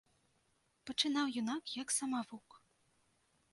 Пачынаў юнак як самавук.